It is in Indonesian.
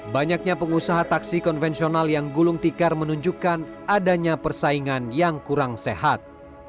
banyaknya pengusaha taksi konvensional yang gulung tikar menunjukkan adanya persaingan yang kurang sehat